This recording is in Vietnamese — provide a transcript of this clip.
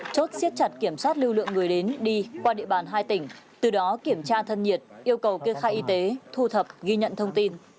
chốt siết chặt kiểm soát lưu lượng người đến đi qua địa bàn hai tỉnh từ đó kiểm tra thân nhiệt yêu cầu kê khai y tế thu thập ghi nhận thông tin